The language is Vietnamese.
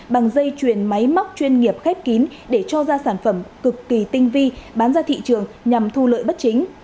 bằng dây chuyền máy móc chuyên nghiệp khép kín để cho ra sản phẩm cực kỳ tinh vi bán ra thị trường nhằm thu lợi bất chính